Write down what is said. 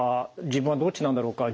自分はどっちなんだろうか。